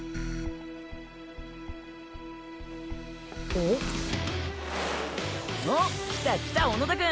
うん？おっ来た来た小野田くん。